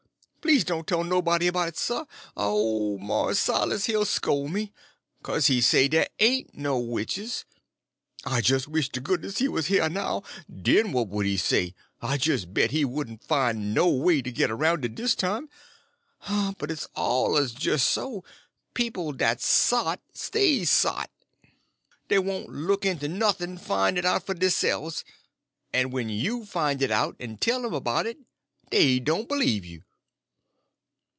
Please to don't tell nobody 'bout it sah, er ole Mars Silas he'll scole me; 'kase he say dey ain't no witches. I jis' wish to goodness he was heah now—den what would he say! I jis' bet he couldn' fine no way to git aroun' it dis time. But it's awluz jis' so; people dat's sot, stays sot; dey won't look into noth'n'en fine it out f'r deyselves, en when you fine it out en tell um 'bout it, dey doan' b'lieve you."